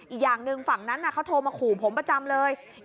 อีกอย่างหนึ่งฝั่งนั้นเขาโทรมาขู่ผมประจำเลย